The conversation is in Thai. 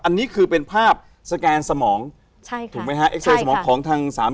อันนี้คือเป็นภาพสแกนสมอง